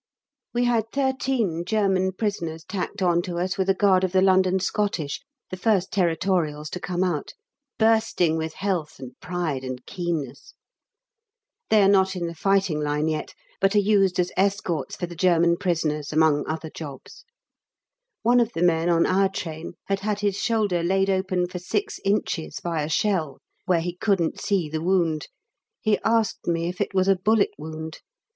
We had thirteen German prisoners tacked on to us with a guard of the London Scottish, the first Territorials to come out, bursting with health and pride and keenness. They are not in the fighting line yet, but are used as escorts for the G.P. among other jobs. One of the men on our train had had his shoulder laid open for six inches by a shell, where he couldn't see the wound. He asked me if it was a bullet wound!